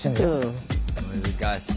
難しい。